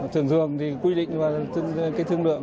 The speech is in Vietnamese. trường dường thì quy định vào cái thương lượng